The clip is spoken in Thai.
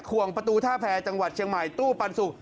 วงประตูท่าแพรจังหวัดเชียงใหม่ตู้ปันสุก